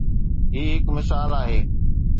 هي هڪ مثال آهي.